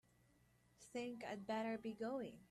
Think I'd better be going.